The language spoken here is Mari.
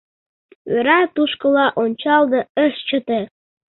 Вера тушкыла ончалде ыш чыте.